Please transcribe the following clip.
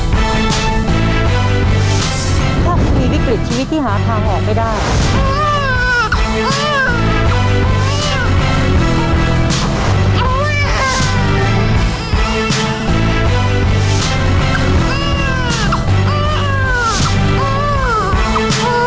ถ้าคุณมีวิกฤตชีวิตที่หาทางออกไม่ได้